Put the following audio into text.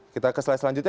kita ke slide selanjutnya